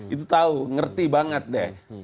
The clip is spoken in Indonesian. itu tahu ngerti banget deh